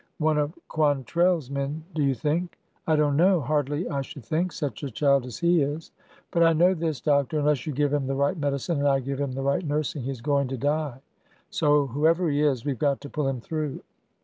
" One of Quantrell's men, do you think ?"" I don't know. Hardly, I should think,— such a child as he is. But I know this, Doctor, — unless you give him the right medicine and I give him the right nursing, he is going to die. So, whoever he is, we 've got to pull him through."